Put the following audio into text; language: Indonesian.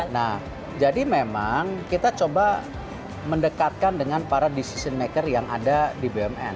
nah jadi memang kita coba mendekatkan dengan para decision maker yang ada di bumn